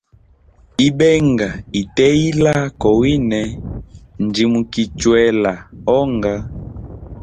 Ibenga ite ila kowine njimukichwela onga.